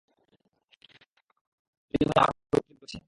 খালিলাবাদে আমার পৈত্রিক জমি আছে।